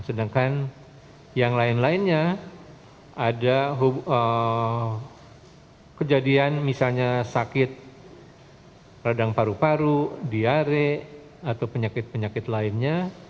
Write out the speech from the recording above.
sedangkan yang lain lainnya ada kejadian misalnya sakit radang paru paru diare atau penyakit penyakit lainnya